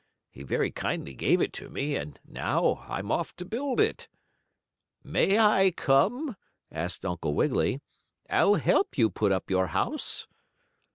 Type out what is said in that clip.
He very kindly gave it to me, and now, I'm off to build it." "May I come?" asked Uncle Wiggily. "I'll help you put up your house."